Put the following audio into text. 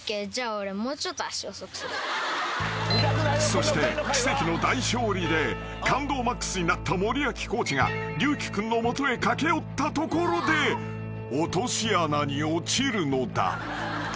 ［そして奇跡の大勝利で感動マックスになった森脇コーチが龍樹君の元へ駆け寄ったところで落とし穴に落ちるのだ］